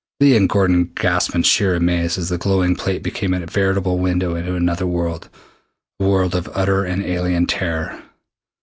Leah and Gordon gasped in sheer amaze as the glowing plate became a veritable window into another world a world of utter and alien terror.